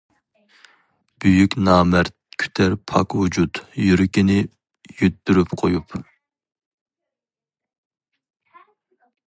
بۈيۈك نامەرد كۈتەر پاك ۋۇجۇد، يۈرىكىنى يىتتۈرۈپ قويۇپ.